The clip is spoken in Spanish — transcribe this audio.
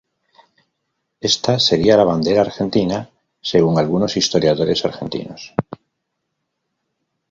Esta sería la bandera argentina, según algunos historiadores argentinos.